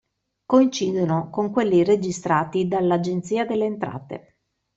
Coincidono con quelli registrati dall'Agenzia delle Entrate.